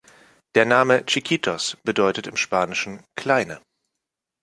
Der Name Chiquitos bedeutet im Spanischen "Kleine".